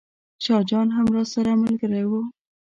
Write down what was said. شاه جان هم راسره ملګری و.